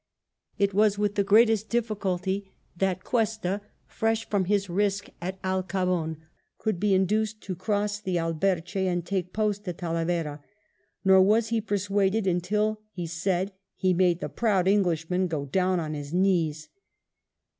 It was with the greatest difficulty that Cuesta, fresh from his risk at Alcabon, could be induced to cross the Alberche and take post at Talavera; nor was he persuaded until, as he said, he " made the proud Englishman go down on his knees."